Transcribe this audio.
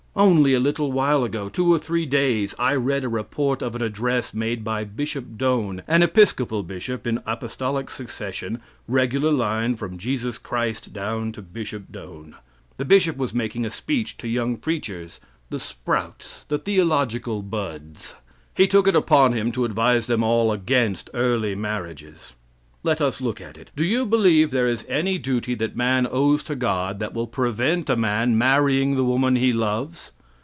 Only a little while ago two or three days I read a report of an address made by Bishop Doane, an Episcopal Bishop in apostolic succession regular line from Jesus Christ down to Bishop Doane. The Bishop was making a speech to young preachers the sprouts, the theological buds. He took it upon him to advise them all against early marriages. Let us look at it. Do you believe there is any duty that man owes to God that will prevent a man marrying the woman he loves?